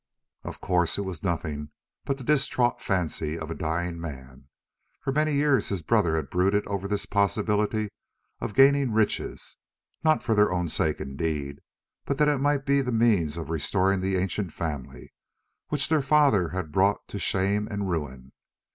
Of course it was nothing but the distraught fancy of a dying man. For many years his brother had brooded over this possibility of gaining riches, not for their own sake indeed, but that it might be the means of restoring the ancient family, which their father had brought to shame and ruin.